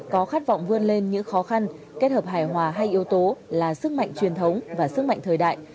có khát vọng vươn lên những khó khăn kết hợp hài hòa hay yếu tố là sức mạnh truyền thống và sức mạnh thời đại